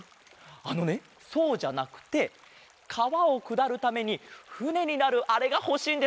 あのねそうじゃなくてかわをくだるためにふねになるあれがほしいんです。